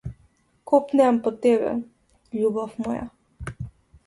Копнеам по тебе, љубов моја.